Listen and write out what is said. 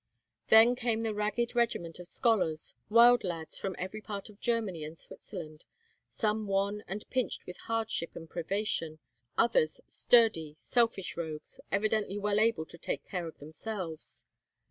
Then came the ragged regiment of scholars, wild lads from every part of Germany and Switzerland, some wan and pinched with hardship and privation, others sturdy, selfish rogues, evidently well able to take care of themselves.